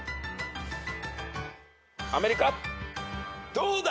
どうだ？